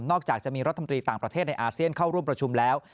จากจะมีรัฐมนตรีต่างประเทศในอาเซียนเข้าร่วมประชุมแล้ว